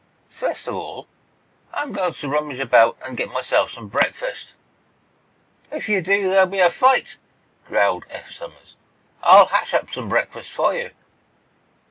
"First of all, I'm going to rummage about and get myself some breakfast." "If you do, there'll be a fight," growled Eph Somers. "I'll hash up a breakfast for you."